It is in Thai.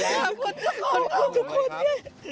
ขอบคุณทุกคนทุกคน